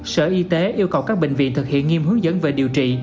sở y tế yêu cầu các bệnh viện thực hiện nghiêm hướng dẫn về điều trị